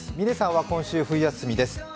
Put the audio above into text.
嶺さんは今週、冬休みです。